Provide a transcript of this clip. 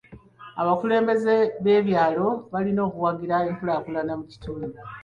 Abakulembeze b'ebyalo balina okuwagira enkulaakulana mu kitundu.